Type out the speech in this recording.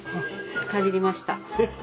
かじりました。